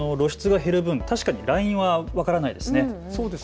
露出が減る分、ラインは分からないですね。